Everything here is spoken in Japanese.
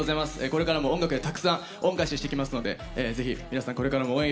これからも音楽でたくさん恩返ししていきますのでぜひ皆さん、これからも応援